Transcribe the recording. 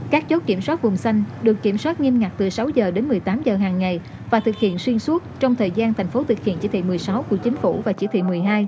các chốt kiểm soát vùng xanh được kiểm soát nghiêm ngặt từ sáu h đến một mươi tám h hàng ngày và thực hiện xuyên suốt trong thời gian thành phố thực hiện chỉ thị một mươi sáu của chính phủ và chỉ thị một mươi hai